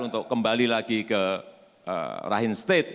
untuk kembali lagi ke rahim state